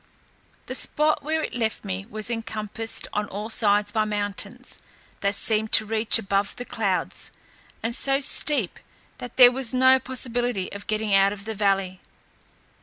The spot where it left me was encompassed on all sides by mountains, that seemed to reach above the clouds, and so steep that there was no possibility of getting out of the valley.